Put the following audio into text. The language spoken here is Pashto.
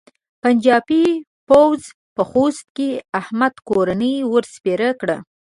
پنجاپي پوځ په خوست کې احمد کورنۍ ور سپېره کړه.